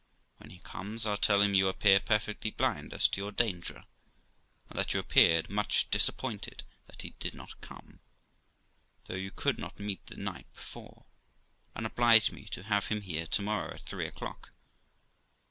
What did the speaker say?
When he comes, I'll tell him you appear perfectly blind as to your danger, and that you appeared much disappointed that he did not come, though you could not meet the night before; and obliged me to have him here to morrow at three o'clock.